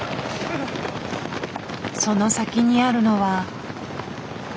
その先にあるのは。